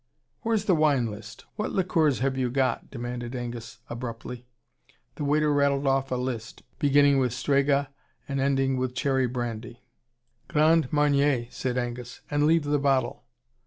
"Where's the wine list? What liqueurs have you got?" demanded Angus abruptly. The waiter rattled off a list, beginning with Strega and ending with cherry brandy. "Grand Marnier," said Angus. "And leave the bottle."